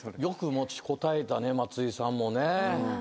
よく持ちこたえたね松井さんもね。